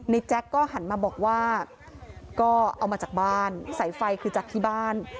แจ็คก็หันมาบอกว่าก็เอามาจากบ้านสายไฟคือจากที่บ้าน